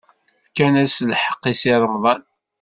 Fkant-as lḥeqq i Si Remḍan.